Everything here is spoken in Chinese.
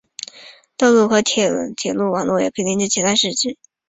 道路和铁路网络也可以连接其他市区。